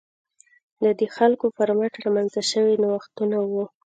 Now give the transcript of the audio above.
دا د خلکو پر مټ رامنځته شوي نوښتونه وو.